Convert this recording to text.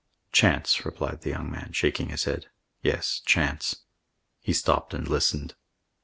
"Chance," replied the young man, shaking his head. "Yes, chance." He stopped and listened.